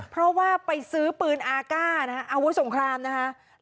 เพราะว่าไปซื้อปืนอากาศนะฮะอาวุธสงครามนะคะ